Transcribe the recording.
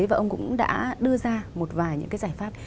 và ông cũng đã đưa ra một vài những cái giải pháp